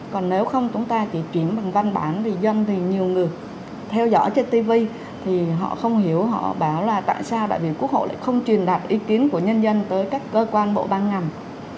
còn nếu không chúng ta chỉ chuyển bằng văn bản vì dân thì nhiều người theo dõi trên tv thì họ không hiểu họ bảo là tại sao đại biểu quốc hội lại không truyền đạt ý kiến của nhân dân tới các cơ quan bộ ban ngành